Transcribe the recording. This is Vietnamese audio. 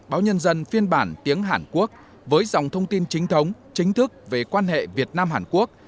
báo nhân dân phiên bản tiếng hàn quốc với dòng thông tin chính thống chính thức về quan hệ việt nam hàn quốc